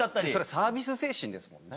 サービス精神ですもんね。